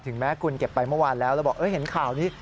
แม้คุณเก็บไปเมื่อวานแล้วแล้วบอกเห็นข่าวนี้